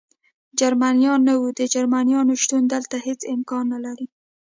جرمنیان نه و، د جرمنیانو شتون دلته هېڅ امکان نه لري.